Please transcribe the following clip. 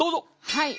はい。